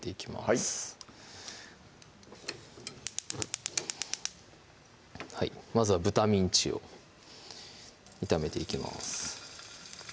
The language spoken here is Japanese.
はいまずは豚ミンチを炒めていきます